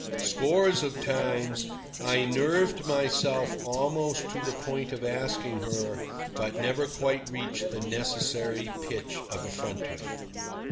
Scores of times I nerved myself almost to the point of asking her, but never quite reached the necessary pitch of effrontery.